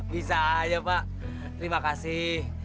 bisa aja pak terima kasih